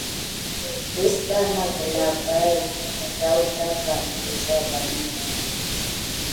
Kisdà naŋ glabayà muwɗakanigən wuza vani.